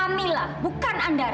kamila bukan andara